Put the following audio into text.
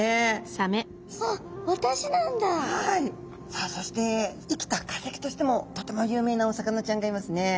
さあそして生きた化石としてもとても有名なお魚ちゃんがいますね。